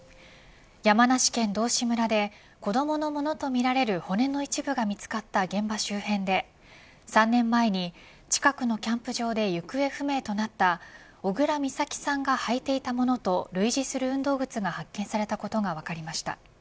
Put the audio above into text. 山梨県道志村で子どものものとみられる骨の一部が見つかった現場周辺で３年前に近くのキャンプ場で行方不明となった小倉美咲さんがはいていたものと類似する運動靴が発見されたことが分かりました。